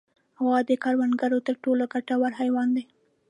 غوا د کروندګرو تر ټولو ګټور حیوان دی.